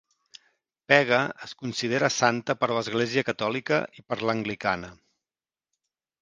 Pega és considerada santa per l'Església Catòlica i per l'Anglicana.